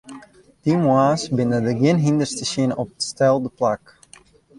Dy moarns binne der gjin hynders te sjen op it stelde plak.